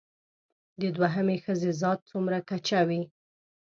د دوهمې ښځې ذات څومره کچه وي